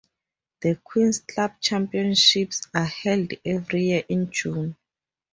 The Queen's Club Championships are held every year in June.